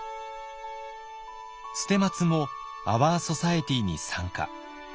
捨松もアワー・ソサエティに参加。